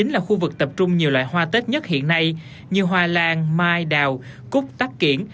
là khu vực tập trung nhiều loại hoa tết nhất hiện nay như hoa lan mai đào cúc tắc kiển